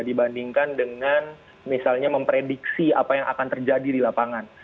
dibandingkan dengan misalnya mempresentasikan